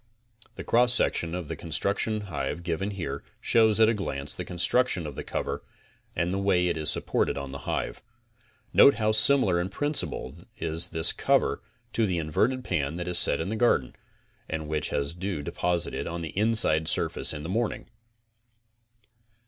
The cross section of the Constructive Hive given here shows at a glance the consrtuction of the cover and the way it is supported on the hive. Note how similar in principle is this cover to the inverted pan that is set in the garden and which has dew deposited on the inside surface in the morning.